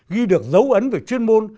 ghi được dấu ấn về chuyên môn